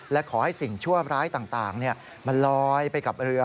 และขอให้สิ่งชั่วร้ายต่างมันลอยไปกับเรือ